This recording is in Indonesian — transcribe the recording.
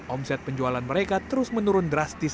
omset penjualan mereka terus menurun drastis